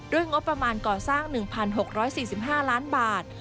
งบประมาณก่อสร้าง๑๖๔๕ล้านบาท